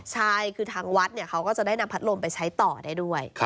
ใช่คือทางวัดเขาก็จะได้นำพัดลมไปใช้ต่อได้ด้วย